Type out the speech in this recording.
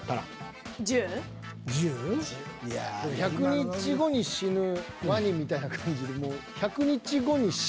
「１００日後に死ぬワニ」みたいな感じでもう。